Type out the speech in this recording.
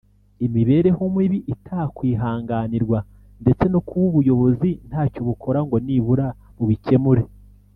imibereho mibi itakwihanganirwa ndetse no kuba ubuyobozi ntacyo bukora ngo nibura bubikemure